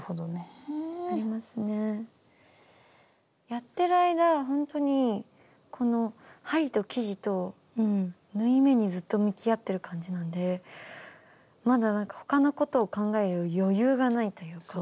やってる間ほんとにこの針と生地と縫い目にずっと向き合ってる感じなんでまだなんか他のことを考える余裕がないというか。